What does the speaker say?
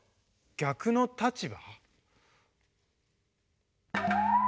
逆の立場？